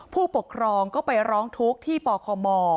ผู้ปกครองก็ไปร้องทุกข์ที่ปคม